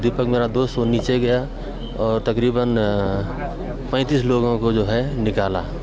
dipak temanku pergi ke bawah dan mengeluarkan tiga puluh lima orang